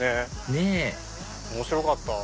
ねぇ面白かった。